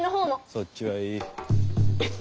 そっちはいいッ。